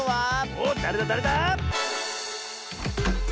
おっだれだだれだ？